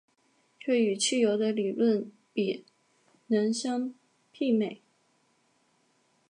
这与汽油的理论比能相媲美。